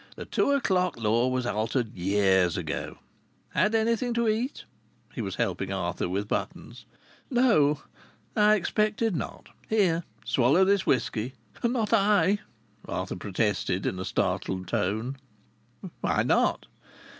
The two o'clock law was altered years ago. Had anything to eat?" He was helping Arthur with buttons. "No." "I expected not. Here! Swallow this whisky." "Not I!" Arthur protested in a startled tone. "Why not?"